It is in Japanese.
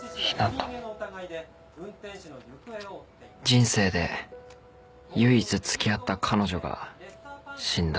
［人生で唯一付き合った彼女が死んだ］